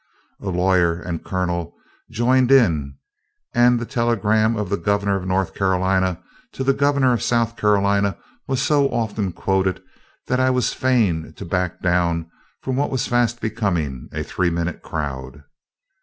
A lawyer and colonel joined in, and the telegram of the Governor of North Carolina to the Governor of South Carolina was so often quoted that I was fain to back down from what was fast becoming a three minute crowd.